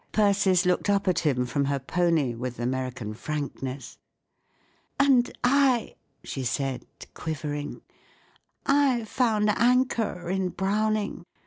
'" Persis looked up at him from her pony with American frankness. "And I," she, said, quivering, " I found anchor in Browning.